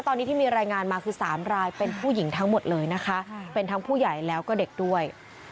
ตอนนี้ที่มีรายงานมาคือ๓รายเป็นผู้หญิงทั้งหมดเลยนะคะเป็นทั้งผู้ใหญ่แล้วก็เด็กด้วย